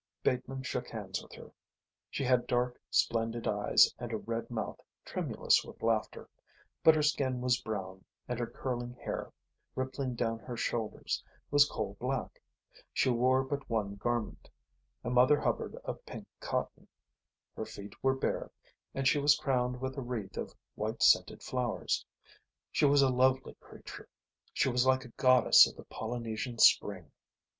Bateman shook hands with her. She had dark, splendid eyes and a red mouth tremulous with laughter; but her skin was brown, and her curling hair, rippling down her shoulders, was coal black. She wore but one garment, a Mother Hubbard of pink cotton, her feet were bare, and she was crowned with a wreath of white scented flowers. She was a lovely creature. She was like a goddess of the Polynesian spring.